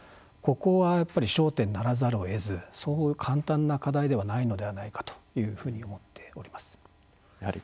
ここはやっぱり焦点にならざるをえずそう簡単な課題ではないのではないかと思っております。